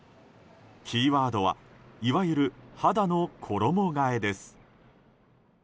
キーワードはいわゆる肌の衣替えです。